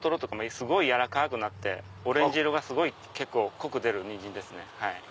すごい軟らかくなってオレンジが結構濃く出るニンジンです。